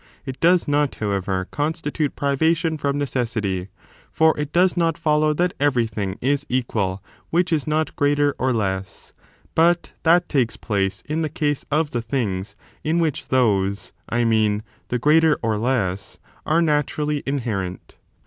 It does not, however, constitute privation from necessity; for it does not follow that everything is equal which is not greater or less : but that takes place in the case of the things in which those — I mean, the greater or less — are naturally^ inherent.